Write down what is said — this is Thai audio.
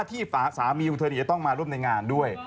ที่สามีของเธอจะต้องมาร่วมในงานด้วย